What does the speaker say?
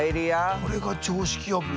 これが常識破り？